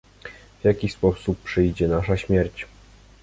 "W jaki sposób przyjdzie nasza śmierć?"